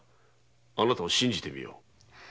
あなたを信じてみよう。